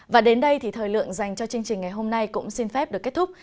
và đến đây thì thời lượng dành cho chương trình ngày hôm nay cũng xin phép được kết thúc